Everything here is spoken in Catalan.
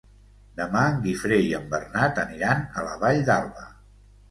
Demà en Guifré i en Bernat aniran a la Vall d'Alba.